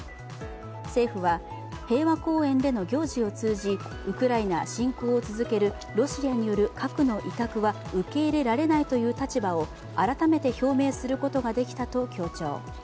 政府は、平和公園での行事を通じ、ロシアによる核の威嚇は受け入れられないという立場を改めて表明することができたと強調。